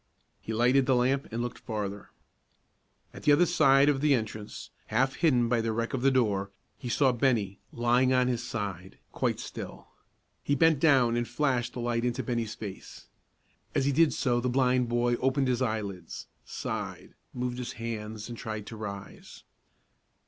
He lighted the lamp and looked farther. At the other side of the entrance, half hidden by the wreck of the door, he saw Bennie, lying on his side, quite still. He bent down and flashed the light into Bennie's face. As he did so the blind boy opened his eyelids, sighed, moved his hands, and tried to rise.